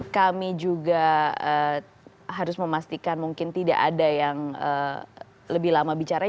kami juga harus memastikan mungkin tidak ada yang lebih lama bicara